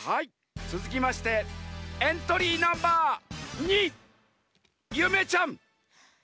つづきましてエントリーナンバー２ゆめちゃん！